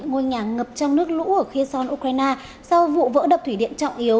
ngôi nhà ngập trong nước lũ ở kheon ukraine sau vụ vỡ đập thủy điện trọng yếu